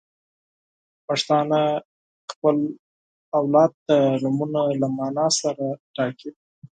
• پښتانه خپل اولاد ته نومونه له معنا سره ټاکي.